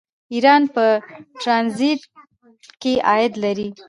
ایران په ټرانزیټ کې عاید لري.